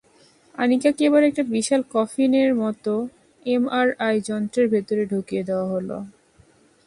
আনিকাকে এবার একটা বিশাল কফিনের মতো এমআরআই যন্ত্রের ভেতর ঢুকিয়ে দেওয়া হলো।